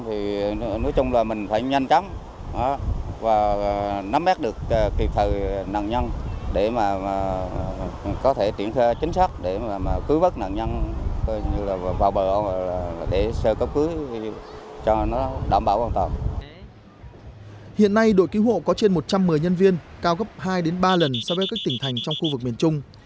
hiện nay đội cứu hộ có trên một trăm một mươi nhân viên cao gấp hai ba lần so với các tỉnh thành trong khu vực miền trung